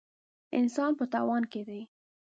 انسان په تاوان کې دی.